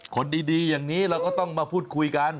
คนดีอย่างนี้เราก็ต้องมาพูดคุยกัน